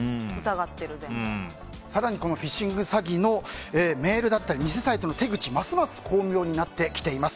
更にフィッシング詐欺のメールであったり偽サイトの手口ますます巧妙になってきています。